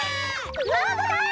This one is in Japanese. あぶない。